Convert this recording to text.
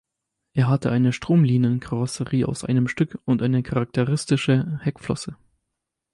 Er hatte einen Stromlinien-Karosserie aus einem Stück und eine charakteristische Heckflosse.